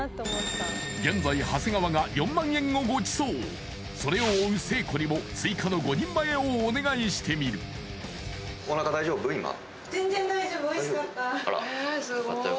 現在長谷川が４００００円をご馳走それを追う誠子にも追加の５人前をお願いしてみるあらえすごい！